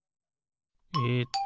えっと